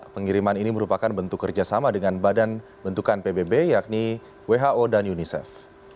pengiriman ini merupakan bentuk kerjasama dengan badan bentukan pbb yakni who dan unicef